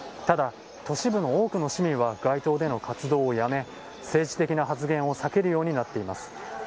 ただ、都市部の多くの市民は街頭での活動をやめ、政治的な発言を避けるようになっています。